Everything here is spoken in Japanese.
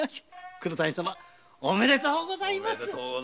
黒谷様おめでとうございます。